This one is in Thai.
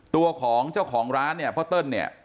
ตัวของเจ้าของร้านเนี่ยพ่อเติ้ลเนี่ย